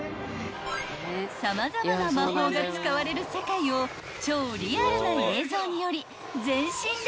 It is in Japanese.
［様々な魔法が使われる世界を超リアルな映像により全身で体感］